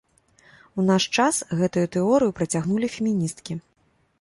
У наш час гэтую тэорыю працягнулі феміністкі.